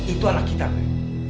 itu anak kita pak